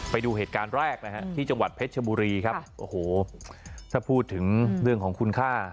ไปดูเหตุการณ์แรกนะฮะที่จังหวัดเพชรชบุรีครับโอ้โหถ้าพูดถึงเรื่องของคุณค่า